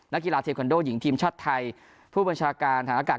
กีฬาเทคอนโดหญิงทีมชาติไทยผู้บัญชาการฐานอากาศ